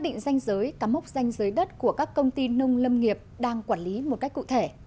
định danh giới cắm mốc danh giới đất của các công ty nông lâm nghiệp đang quản lý một cách cụ thể